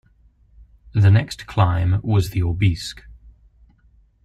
The next climb was the Aubisque.